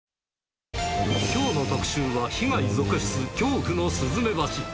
きょうの特集は、被害続出、恐怖のスズメバチ。